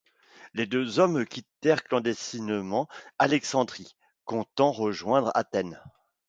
Les deux hommes quittèrent clandestinement Alexandrie, comptant rejoindre Athènes.